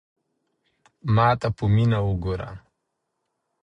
ما ته په مینه وگوره.